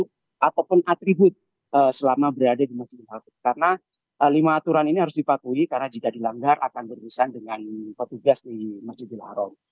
karena lima aturan ini harus dipatuhi karena jika dilanggar akan berurusan dengan petugas di masjidil haram